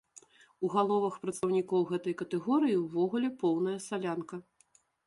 У галовах прадстаўнікоў гэтай катэгорыі ўвогуле поўная салянка.